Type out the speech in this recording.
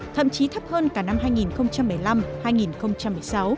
thậm chí thấp hơn cả năm hai nghìn một mươi năm hai nghìn một mươi sáu